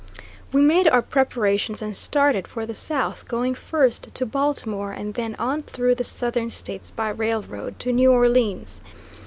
We made our preparations and started for the South, going first to Baltimore and then on through the Southern States by railroad to New Orleans.